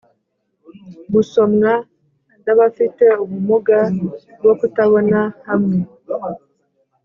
gusomwa n abafite ubumuga bwo kutabona hamwe